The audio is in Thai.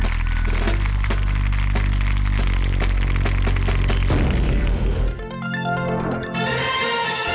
โปรดติดตามตอนต่อไป